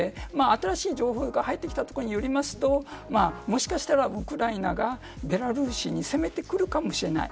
新しい情報が入ってきたところによるともしかしたら、ウクライナがベラルーシに攻めてくるかもしれない。